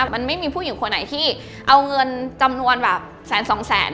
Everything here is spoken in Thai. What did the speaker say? มันไม่มีผู้หญิงคนไหนที่เอาเงินจำนวนแบบแสนสองแสน